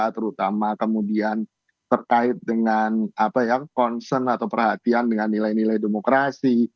terutama kemudian terkait dengan concern atau perhatian dengan nilai nilai demokrasi